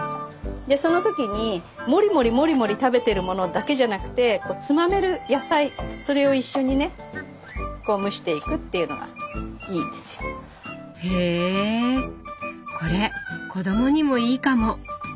でその時にもりもりもりもり食べてるものだけじゃなくてこうつまめる野菜それを一緒にねこう蒸していくっていうのがいいんですよ。へこれ子供にもいいかも。